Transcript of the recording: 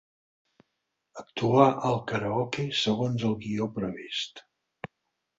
Actuar al karaoke segons el guió previst.